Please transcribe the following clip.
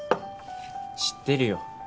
知ってるよ。